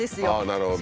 なるほど。